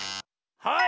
はい！